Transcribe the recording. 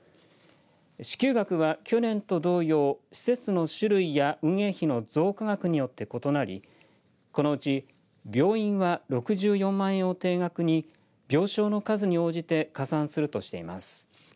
支給額は去年と同様施設の種類や運営費の増加額によって異なりこのうち病院は６４万円を定額に病床の数に応じて加算するとしています。